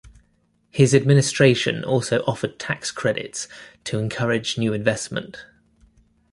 His administration also offered tax credits to encourage new investment.